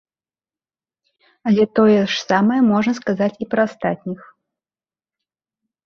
Але тое ж самае можна сказаць і пра астатніх.